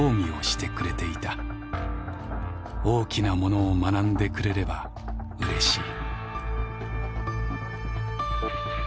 大きなものを学んでくれればうれしい」。